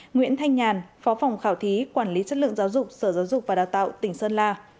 nguyễn thanh nhàn phó phòng khảo thí quản lý chất lượng giáo dục sở giáo dục và đào tạo tỉnh sơn la